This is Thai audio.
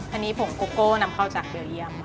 อันนี้ผงโกโก้นำเข้าจากเบลเยี่ยม